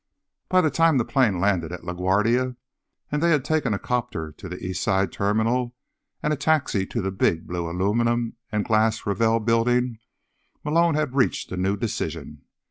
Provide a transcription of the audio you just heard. By the time the plane landed at La Guardia, and they'd taken a 'copter to the East Side Terminal and a taxi to the big blue aluminum and glass Ravell Building, Malone had reached a new decision.